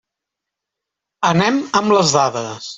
Anem amb les dades.